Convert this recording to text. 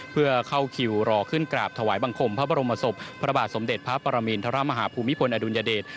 เพื่อเข้าคิวรอขึ้นกราบถวายบังคมพระบรมศพพระบาทสมเด็จพระปรมินทรมาฮาภูมิพลอดุลยเดช